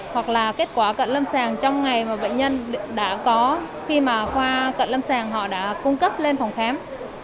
hoặc là kết quả cận lâm sàng trong ngày mà bệnh nhân đã có khi mà khoa cận lâm sàng họ đã cung cấp lên phòng khám